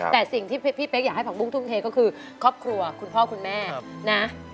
แต่สิ่งที่พี่เป๊กอยากให้ผักบุ้งทุ่มเทก็คือครอบครัวคุณพ่อคุณแม่นะ